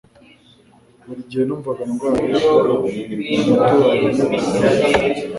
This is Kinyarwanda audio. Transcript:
Buri gihe numvaga ndwaye mu muturanyi wa data.